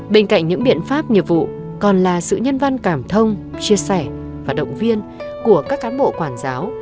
bên cạnh những biện pháp nghiệp vụ còn là sự nhân văn cảm thông chia sẻ và động viên của các cán bộ quản giáo